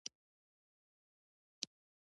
سبزیجات په تازه ډول بازار ته وړاندې کول ضروري دي.